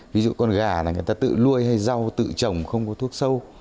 ví dụ con gà là người ta tự luôi hay rau tự trồng không có thuốc sâu